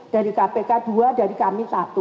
dari kpk dua dari kami satu